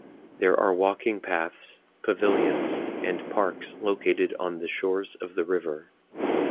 There are walking paths, pavilions, and parks located on the shores of the river.